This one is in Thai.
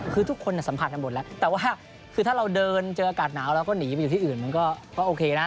คือทุกคนสัมผัสกันหมดแล้วแต่ว่าคือถ้าเราเดินเจออากาศหนาวแล้วก็หนีไปอยู่ที่อื่นมันก็โอเคนะ